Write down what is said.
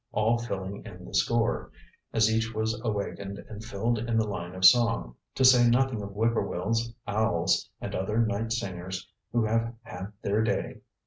all filling in the score, as each was awakened and filled in the line of song, to say nothing of whip poor wills, owls and other night singers who have had "their day."